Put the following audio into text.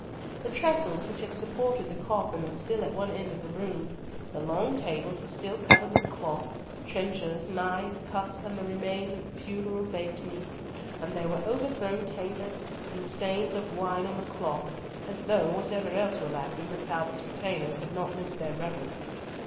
The trestles which had supported the coffin were still at one end of the room, the long tables were still covered with cloths, trenchers, knives, cups, and the remains of the funeral baked meats, and there were overthrown tankards and stains of wine on the cloth, as though, whatever else were lacking, the Talbot retainers had not missed their revel.